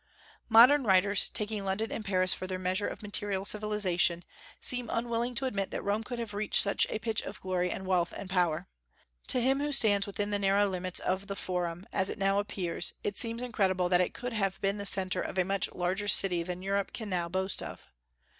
Modern writers, taking London and Paris for their measure of material civilization, seem unwilling to admit that Rome could have reached such a pitch of glory and wealth and power. To him who stands within the narrow limits of the Forum, as it now appears, it seems incredible that it could have been the centre of a much larger city than Europe can now boast of.